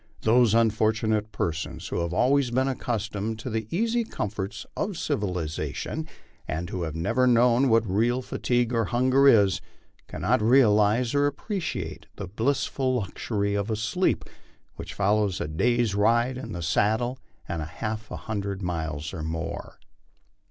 Those unfortunate persons who have always been accustomed to the easy comforts of civilization, and who have never known what real fatigue or hunger is, cannot realize or appreciate the blissful luxury of a sleep which follows a day's ride in the sad dle of half a hundred miles or more.